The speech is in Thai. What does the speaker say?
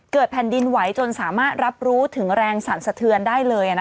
แผ่นดินไหวจนสามารถรับรู้ถึงแรงสั่นสะเทือนได้เลย